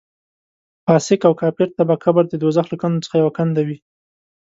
فاسق او کافر ته به قبر د دوزخ له کندو څخه یوه کنده وي.